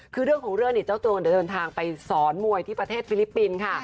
คือเรื่องเอาเรื้อนเจ้าตัวเดินทางไปสอนมวยประเทศฟิลิปปินส์